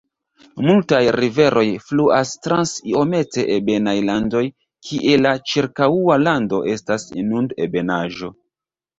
Multaj riveroj fluas trans iomete ebenaj landoj kie la ĉirkaŭa lando estas inund-ebenaĵo.